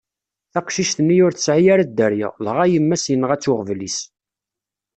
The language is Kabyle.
Taqcict-nni ur tesɛi ara dderya, dɣa yemma-s yenɣa-tt uɣbel-is.